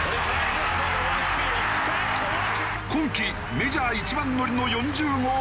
今季メジャー一番乗りの４０号を記録。